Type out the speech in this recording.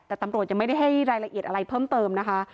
แต่ตำรวจยังไม่ได้ให้รายละเอียดอะไรเพิ่มเติมนะคะ